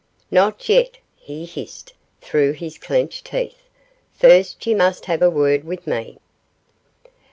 'Not yet!' he hissed through his clenched teeth; 'first you must have a word with me.